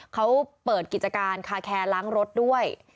เขาเปิดกิจการคาแคร์ล้างรถด้วย